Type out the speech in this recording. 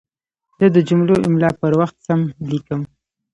زه د جملو املا پر وخت سم لیکم.